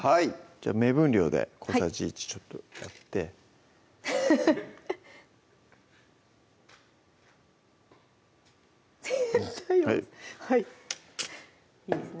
じゃあ目分量で小さじ１ちょっとやってはいいいですね